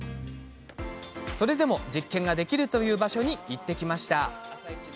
それでも実験ができるという場所に行ってきました。